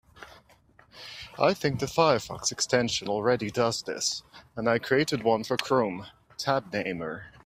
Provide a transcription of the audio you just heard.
I think the Firefox extension already does this, and I created one for Chrome, Tab Namer.